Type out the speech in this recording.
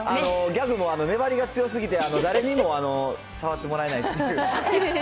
ギャグも粘りが強すぎて、誰にも触ってもらえないっていう。